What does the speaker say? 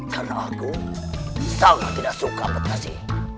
karena aku sangat tidak suka ambedkasi